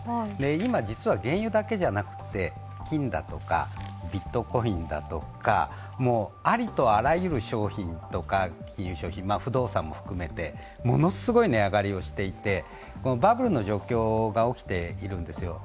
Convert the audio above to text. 今、実は原油だけじゃなくて金だとかビットコインだとか、もうありとあらゆる金融商品、不動産も含めてものすごい値上がりをしていてバブルの状況が起きているんですよ。